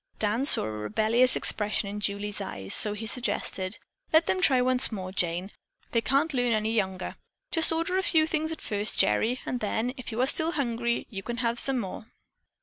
Dan saw a rebellious expression in Julie's eyes, so he suggested, "Let them try once more, Jane. They can't learn any younger. Just order a few things at first, Gerry, and then, if you are still hungry, you can have more."